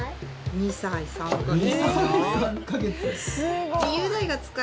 ２歳３カ月！？